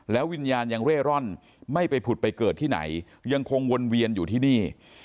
วิญญาณยังเร่ร่อนไม่ไปผุดไปเกิดที่ไหนยังคงวนเวียนอยู่ที่นี่